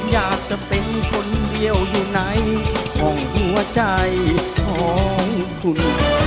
อยากจะเป็นคนเดียวอยู่ในห้องหัวใจของคุณ